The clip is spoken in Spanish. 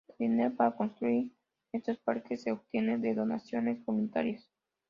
El dinero para construir estos parques se obtiene de donaciones voluntarias.